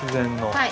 はい。